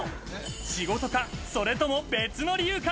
仕事か、それとも別の理由か。